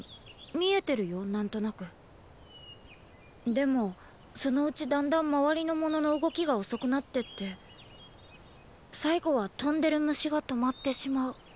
でもそのうちだんだん周りのものの動きが遅くなってって最後は飛んでる虫が止まってしまう。